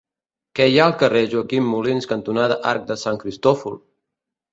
Què hi ha al carrer Joaquim Molins cantonada Arc de Sant Cristòfol?